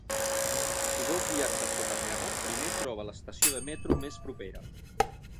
Si vols viatjar sota terra, primer troba l'estació de metro més propera